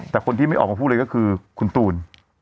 แต่คนที่ไม่ออกมากูลว่าเลยคือคุณตูน